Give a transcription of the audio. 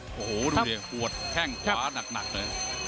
โอ้โหดูดิหัวแข้งขวาหนักเลย